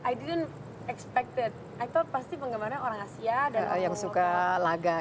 i didn't expect it i thought pasti penggemarnya orang asia dan orang orang lain